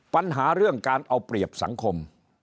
ปัญหาเรื่องการเอาเปรียบสังคม